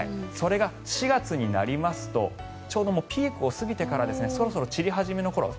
それが４月になりますとちょうどピークを過ぎてからそろそろ散り始めの頃。